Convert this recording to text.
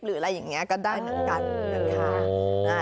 หรืออะไรอย่างนี้ก็ได้เหมือนกันนะคะ